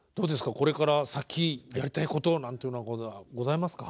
これから先やりたいことなんていうようなことはございますか？